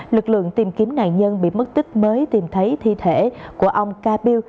lực lượng tìm kiếm nạn nhân bị mất tích mới tìm thấy thi thể của ông cà piêu